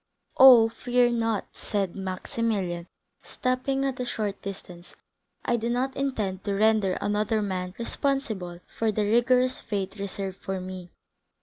"Oh, fear not," said Maximilian, stopping at a short distance, "I do not intend to render another man responsible for the rigorous fate reserved for me.